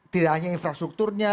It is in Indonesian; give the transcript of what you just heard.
tidak hanya infrastrukturnya